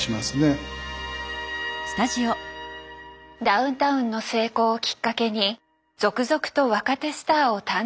ダウンタウンの成功をきっかけに続々と若手スターを誕生させた吉本。